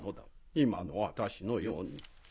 今の私のように。